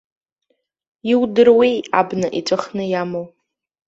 Иудыруеи абна иҵәахны иамоу?